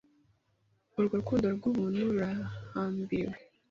Urwo rukundo rwubuntu ruhambiriwe